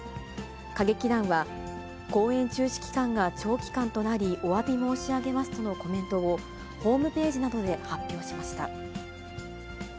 歌劇団は、公演中止期間が長期間となり、おわび申し上げますとのコメントを、ホームページなどで発表しました。